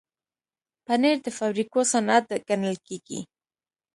پنېر د فابریکو صنعت ګڼل کېږي.